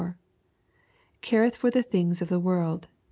Careth for the things of the world."